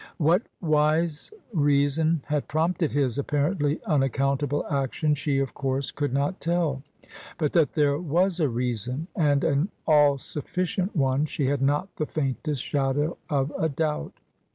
What wise reason had prompted his apparently unac countable action she of course could not tell : but that there was a reason — ^and an all sufficient one — she had not the faintest shadow of a doubt.